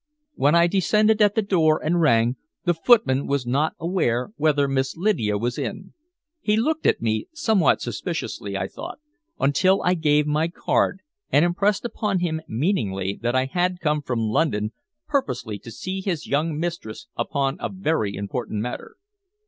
When I descended at the door and rang, the footman was not aware whether Miss Lydia was in. He looked at me somewhat suspiciously, I thought, until I gave my card and impressed upon him meaningly that I had come from London purposely to see his young mistress upon a very important matter.